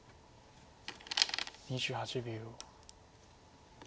２８秒。